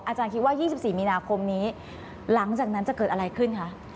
อาจารย์คิดว่า๒๔มีนาคมนี้หลังจากนั้นจะเกิดอะไรขึ้นคะ